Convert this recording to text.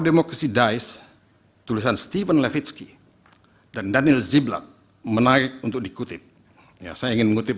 democracy dies tulisan steven levitsky dan daniel ziblak menarik untuk dikutip ya saya ingin mengutip